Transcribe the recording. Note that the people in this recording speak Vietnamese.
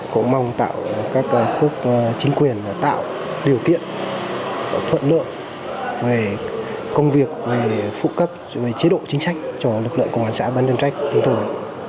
cũng mong các quốc chính quyền tạo điều kiện thuận lượng về công việc về phụ cấp về chế độ chính trách cho lực lượng công an xã bán chân trách chúng tôi